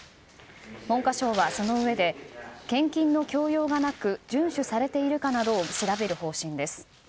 文科省はそのうえで献金の強要がなく遵守されているかなどを調べる方針です。